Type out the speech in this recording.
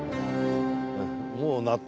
もう納得。